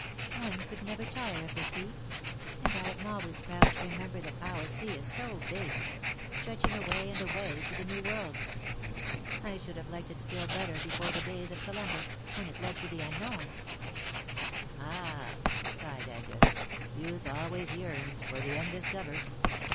^^One could never tire of the sea. And I am always proud to remember that our sea is so big — stretching away and away to the New World. I should have liked it still better before the days of Columbus J when it led to the unknown V^ '' Ah !" sighed Angus^ ^^ youth alway yearns for the undiscovered.